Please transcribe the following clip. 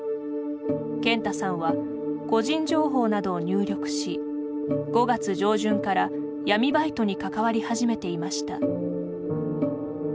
健太さんは、個人情報などを入力し、５月上旬から闇バイトに関わり始めていました。